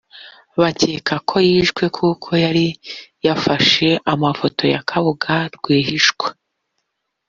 Bakeka ko yishwe kuko yari yafashe amafoto ya Kabuga rwihishwa